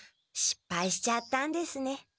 しっぱいしちゃったんですね。